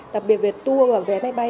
đặc biệt về tour và về máy bay